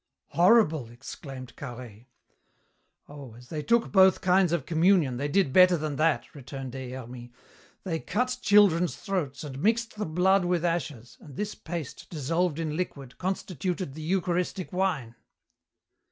"Horrible!" exclaimed Carhaix. "Oh, as they took both kinds of communion, they did better than that," returned Des Hermies. "They cut children's throats and mixed the blood with ashes, and this paste, dissolved in liquid, constituted the Eucharistic wine."